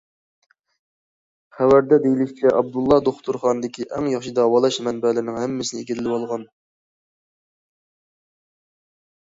خەۋەردە دېيىلىشىچە، ئابدۇللا دوختۇرخانىدىكى ئەڭ ياخشى داۋالاش مەنبەلىرىنىڭ ھەممىسىنى‹‹ ئىگىلىۋالغان››.